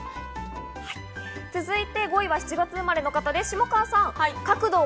続いて５位は７月生まれの方、下川さん。